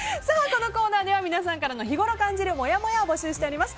このコーナーでは皆さんからの日ごろ感じるもやもやを募集しております。